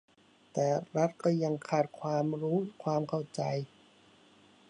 แต่รัฐก็ยังขาดความรู้ความเข้าใจ